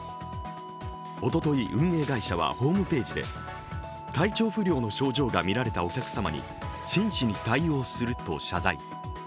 おととい、運営会社はホームページで体調不良の症状がみられたお客様に真摯に対応すると謝罪。